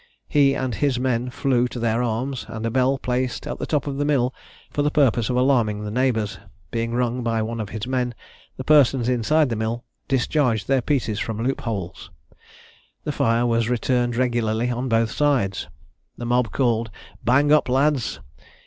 He and his men flew to their arms; and a bell placed at the top of the mill, for the purpose of alarming the neighbours, being rung by one of his men, the persons inside the mill discharged their pieces from loop holes. The fire was returned regularly on both sides. The mob called, "Bang up, lads!